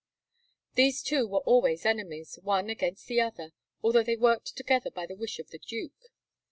These two were always enemies, one against the other, although they worked together by the wish of the Duke.